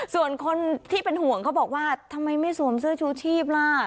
ส่วนคนที่เป็นห่วงเขาบอกว่าทำไมไม่สวมเสื้อชูชีพล่ะ